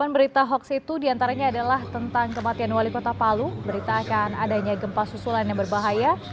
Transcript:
delapan berita hoax itu diantaranya adalah tentang kematian wali kota palu berita akan adanya gempa susulan yang berbahaya